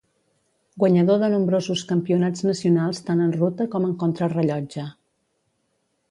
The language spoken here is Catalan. Guanyador de nombrosos campionats nacionals tant en ruta com en contrarellotge.